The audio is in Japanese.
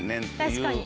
確かに。